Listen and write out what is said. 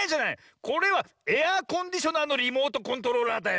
これはエアコンディショナーのリモートコントローラーだよ。